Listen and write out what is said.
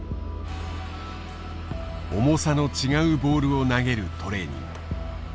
重さの違うボールを投げるトレーニング。